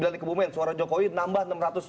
sembilan di kebumen suara jokowi nambah enam ratus